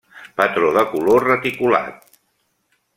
Patró de color reticulat.